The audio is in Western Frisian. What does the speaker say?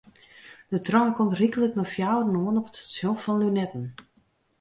De trein komt ryklik nei fjouweren oan op it stasjon fan Lunetten.